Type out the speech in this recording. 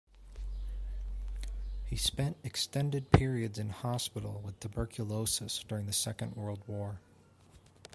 He spent extended periods in hospital with tuberculosis during the Second World War.